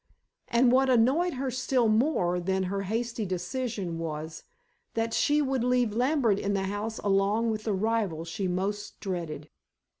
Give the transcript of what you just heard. And what annoyed her still more than her hasty decision was, that she would leave Lambert in the house along with the rival she most dreaded.